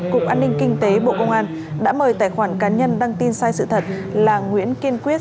cục an ninh kinh tế bộ công an đã mời tài khoản cá nhân đăng tin sai sự thật là nguyễn kiên quyết